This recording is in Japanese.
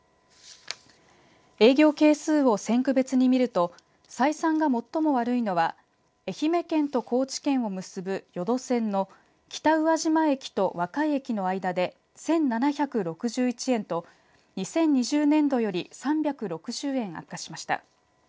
営業係数を線区別に見ると採算が最も悪いのは愛媛県と高知県を結ぶ、予土線の北宇和島駅と若井駅の間で１７６１円と２０２０年度より３６０円悪化しました。